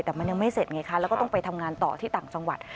แต่มันยังไม่เสร็จไงคะแล้วก็ต้องไปทำงานต่อที่ต่างจังหวัด